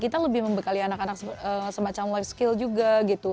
kita lebih membekali anak anak semacam life skill juga gitu